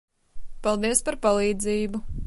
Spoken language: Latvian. Paldies par palīdzību.